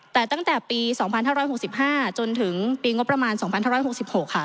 แต่ตั้งแต่ปีสองพันห้าร้อยหกสิบห้าจนถึงปีงบประมาณสองพันห้าร้อยหกสิบหกค่ะ